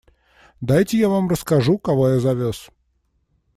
Дайте я вам расскажу, кого я завез.